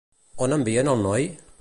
On envien el noi?